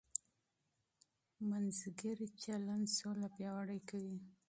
عادلانه چلند سوله پیاوړې کوي.